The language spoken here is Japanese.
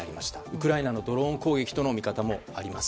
ウクライナのドローン攻撃との見方もあります。